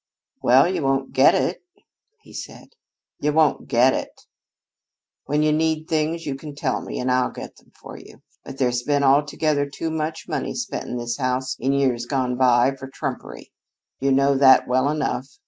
"Well, you won't get it," he said. "You won't get it. When you need things you can tell me and I'll get them for you. But there's been altogether too much money spent in this house in years gone by for trumpery. You know that well enough.